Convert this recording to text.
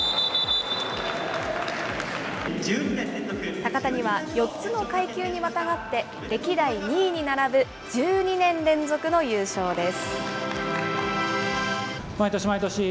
高谷は４つの階級にまたがって、歴代２位に並ぶ１２年連続の優勝です。